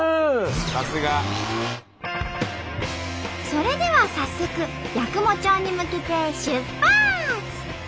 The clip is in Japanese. さすが！それでは早速八雲町に向けて出発！